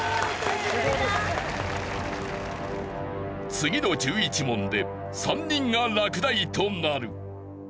次の１１問で３人が落第となる。